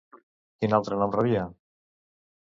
Quin altre nom rebia?